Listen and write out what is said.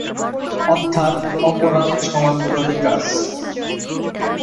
অর্থাৎ অপরাধ সমাজ বিরোধী কাজ।